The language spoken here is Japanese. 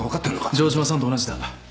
城島さんと同じだ。